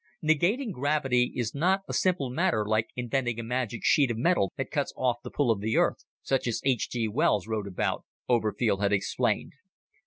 "Negating gravity is not a simple matter like inventing a magic sheet of metal that cuts off the pull of the Earth, such as H. G. Wells wrote about," Oberfield had explained.